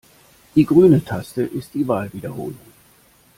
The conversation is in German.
Die grüne Taste ist die Wahlwiederholung.